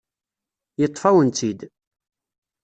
Yeṭṭef-awen-tt-id.